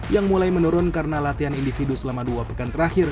yang mulai menurun karena latihan individu selama dua pekan terakhir